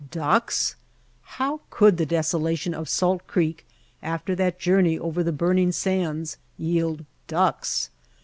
Ducks! How could the desolation of Salt Creek, after that journey over the burning sands, yield ducks?